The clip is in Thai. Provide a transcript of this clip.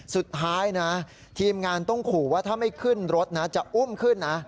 สุดท้ายนะทีมงานต้องขู่ว่าถ้าไม่ขึ้นรถนะจะอุ้มขึ้นนะ